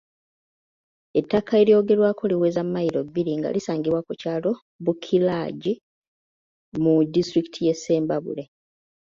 Ettaka eryogerwako liweza mmayiro bbiri nga lisangibwa ku kyalo Bukiragyi mu disitulikiti ye Ssembabule.